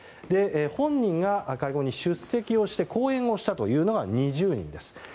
本人が会合に出席をして講演をしたのは２０人です。